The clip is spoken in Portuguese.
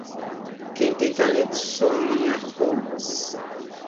Quem tem talento, sonha rolos.